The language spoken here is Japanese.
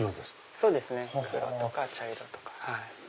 そうですね黒とか茶色とか。